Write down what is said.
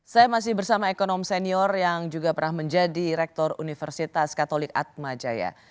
saya masih bersama ekonom senior yang juga pernah menjadi rektor universitas katolik atmajaya